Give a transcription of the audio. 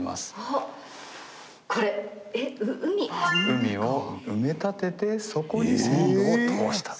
海を埋め立ててそこに線路を通した。